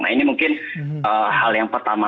nah ini mungkin hal yang pertama